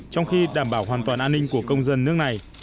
trong khi đảm bảo hoàn toàn an ninh của công dân nước này